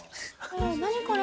何これ。